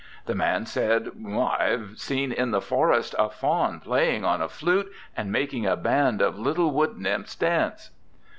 'The man said, "I have seen in the forest a Faun playing on a flute and making a band of little wood nymphs dance."